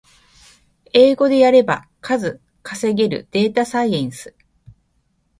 英語でやれば数稼げるデータサイエンス